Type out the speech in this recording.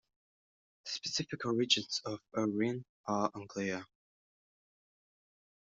The specific origins of "Irene" are unclear.